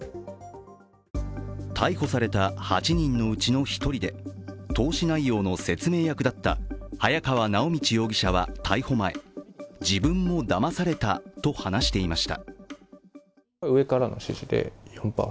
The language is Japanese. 逮捕された８人のうちの１人で投資内容の説明役だった早川直通容疑者は逮捕前自分もだまされたと話していました。